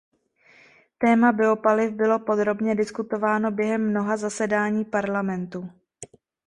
Téma biopaliv bylo podrobně diskutováno během mnoha zasedání Parlamentu.